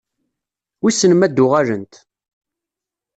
Wissen ma ad-uɣalent?